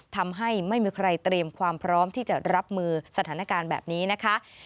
ทำให้ไม่มีใครเตรียมความพร้อมที่จะรับมือสถานการณ์แบบนี้นะคะ